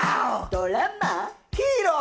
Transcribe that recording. ドラマ、「ヒーロー」。